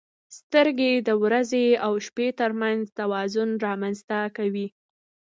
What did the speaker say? • سترګې د ورځې او شپې ترمنځ توازن رامنځته کوي.